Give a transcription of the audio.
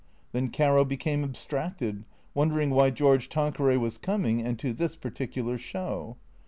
Then Caro became abstracted, wondering why George Tanqueray was coming, and to this particular show.